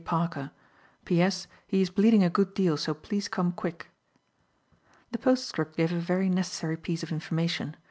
PARKER. "P.S. He is bleeding a good deal, so please come quick." The postscript gave a very necessary piece of information.